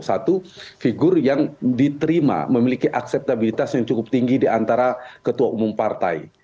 satu figur yang diterima memiliki akseptabilitas yang cukup tinggi di antara ketua umum partai